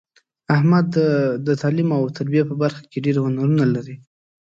احمد د تعلیم او تربیې په برخه کې ډېر هنرونه لري.